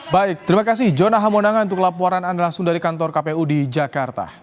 baik terima kasih jona hamonangan untuk laporan anda langsung dari kantor kpu di jakarta